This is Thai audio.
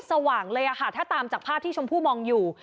สว่างเลยค่ะถ้าตามจากภาพที่ชมพู่มองอยู่